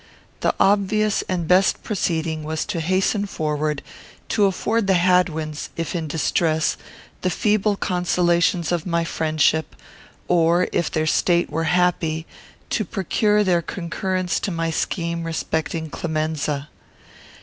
The obvious and best proceeding was to hasten forward, to afford the Hadwins, if in distress, the feeble consolations of my friendship; or, if their state were happy, to procure their concurrence to my scheme respecting Clemenza.